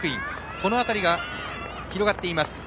この辺りが広がっています。